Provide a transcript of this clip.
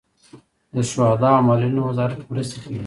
د شهدا او معلولینو وزارت مرستې کوي